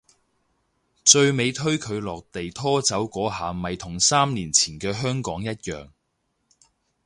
最尾推佢落地拖走嗰下咪同三年前嘅香港一樣